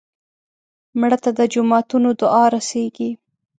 مړه ته د جوماتونو دعا رسېږي